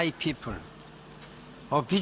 คุณพระเจ้า